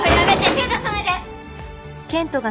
手出さないで！